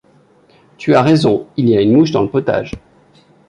Tu as raison, il y a une mouche dans le potage.